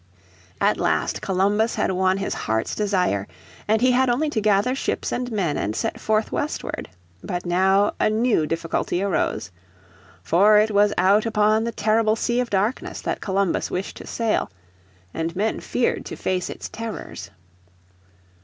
At last Columbus had won his heart's desire, and he had only to gather ships and men and set forth westward. But now a new difficulty arose. For it was out upon the terrible Sea of Darkness that Columbus wished to sail, and men feared to face its terrors.